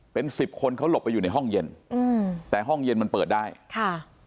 เป็นสิบคนเขาหลบไปอยู่ในห้องเย็นอืมแต่ห้องเย็นมันเปิดได้ค่ะ